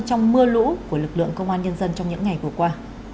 trong mưa lũ của lực lượng công an nhân dân trong những ngày vừa qua